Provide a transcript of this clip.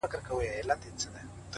ژور لید کوچنۍ تېروتنې کموي،